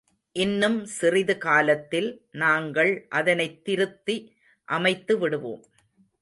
இன்னும் சிறிது காலத்தில் நாங்கள் அதனைத் திருத்தி அமைத்து விடுவோம்.